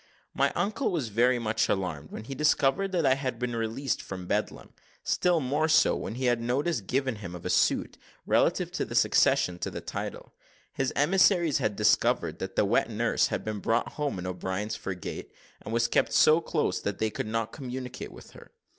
My uncle was very much alarmed when he discovered that I had been released from Bedlam still more so, when he had notice given him of a suit, relative to the succession to the title. His emissaries had discovered that the wet nurse had been brought home in O'Brien's frigate, and was kept so close that they could not communicate with her.